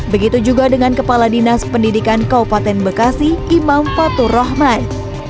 begitu juga dengan kepala dinas pendidikan kabupaten bekasi imam fatur rahman